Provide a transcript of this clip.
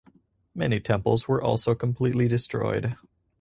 Many temples were also completely destroyed.